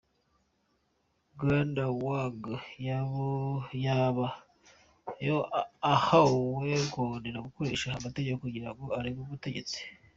Bwana Wang yoba ahowe kurondera gukoresha amategeko kugira ngo arege ubutegetsi.